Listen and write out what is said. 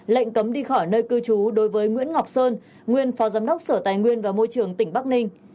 lệnh cấm đi khỏi nơi cư trú đối với nguyễn ngọc sơn nguyên phó giám đốc sở tài nguyên và môi trường tỉnh bắc ninh